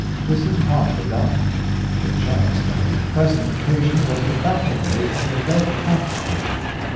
This is promptly done. It chanced that the present occasion was the battle day of the Red Cap Corps.